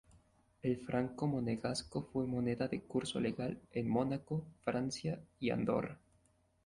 El franco monegasco fue moneda de curso legal en Mónaco, Francia y Andorra.